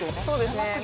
そうですね。